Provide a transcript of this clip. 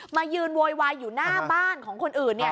มายืนโวยวายอยู่หน้าบ้านของคนอื่นเนี่ย